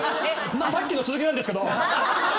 さっきの続きなんですけど。